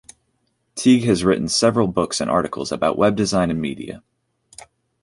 Teague has written several books and articles about web design and media.